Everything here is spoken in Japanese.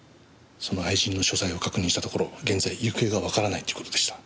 その愛人の所在を確認したところ現在行方がわからないということでした。